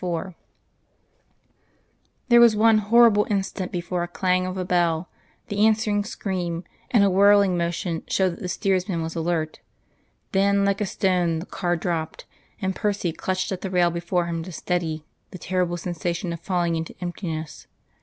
IV There was one horrible instant before a clang of a bell, the answering scream, and a whirling motion showed that the steersman was alert. Then like a stone the car dropped, and Percy clutched at the rail before him to steady the terrible sensation of falling into emptiness.